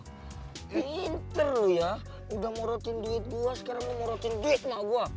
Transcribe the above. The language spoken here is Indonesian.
pinter loh ya udah morotin duit gue sekarang mau morotin duit sama gue